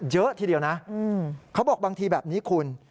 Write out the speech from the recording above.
เยอะทีเดียวนะเขาบอกบางทีแบบนี้คุณ